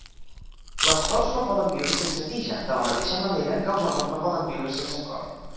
Les cols no poden viure sense tija de la mateixa manera que els homes no poden viure sense cor.